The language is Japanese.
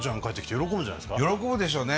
喜ぶでしょうね。